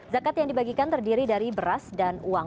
zakat yang dibagikan terdiri dari beras dan uang